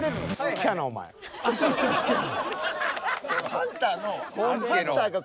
ハンターの。